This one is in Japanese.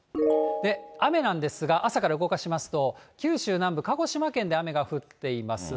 雨なんですが、朝から動かしますと、九州南部、鹿児島県で雨が降っています。